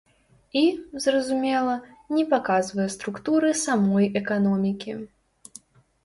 І, зразумела, не паказвае структуры самой эканомікі.